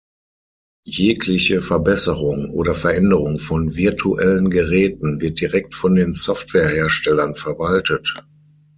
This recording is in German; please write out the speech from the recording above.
Jegliche Verbesserung oder Veränderung von virtuellen Geräten wird direkt von den Software-Herstellern verwaltet.